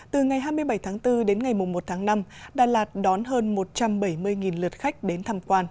từ ngày hai mươi bảy tháng bốn đến ngày một tháng năm đà lạt đón hơn một trăm bảy mươi lượt khách đến tham quan